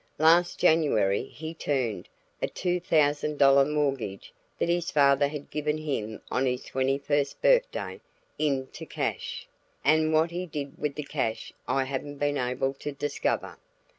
Last January he turned a two thousand dollar mortgage, that his father had given him on his twenty first birthday, into cash, and what he did with the cash I haven't been able to discover.